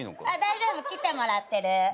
大丈夫。来てもらってる。